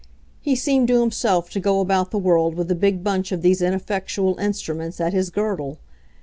He seemed to himself to go about the world with a big bunch of these ineffectual instruments at his girdle.